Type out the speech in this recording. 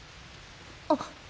あっ！